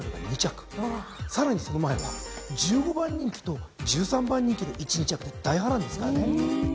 さらにその前は１５番人気と１３番人気で１・２着で大波乱ですからね。